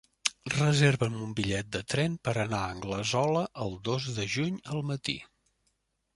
Reserva'm un bitllet de tren per anar a Anglesola el dos de juny al matí.